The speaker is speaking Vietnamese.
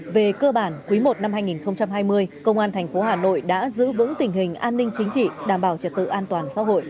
về cơ bản quý i năm hai nghìn hai mươi công an thành phố hà nội đã giữ vững tình hình an ninh chính trị đảm bảo trật tự an toàn xã hội